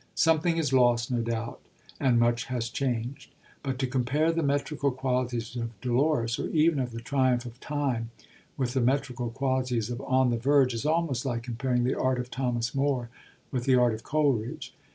Something is lost, no doubt, and much has changed. But to compare the metrical qualities of Dolores or even of The Triumph of Time with the metrical qualities of On the Verge is almost like comparing the art of Thomas Moore with the art of Coleridge.